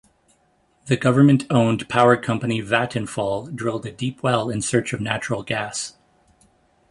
The government-owned power company Vattenfall drilled a deep well in search of natural gas.